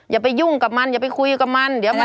อย่าไปยุ่งกับมันอย่าไปคุยกับมัน